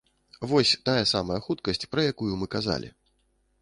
Вось тая самая хуткасць, пра якую мы казалі.